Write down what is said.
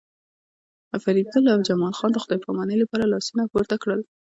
فریدګل او جمال خان د خدای پامانۍ لپاره لاسونه پورته کړل